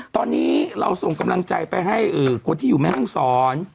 ตอนนี้เราส่งกำลังใจไปให้คนที่อยู่แม่ห้องศร